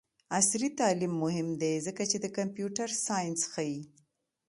عصري تعلیم مهم دی ځکه چې د کمپیوټر ساینس ښيي.